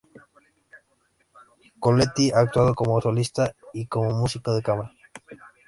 Coletti ha actuado como solista y como músico de cámara.